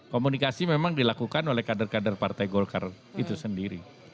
komunikasi memang dilakukan oleh kader kader partai golkar itu sendiri